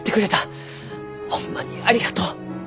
ホンマにありがとう！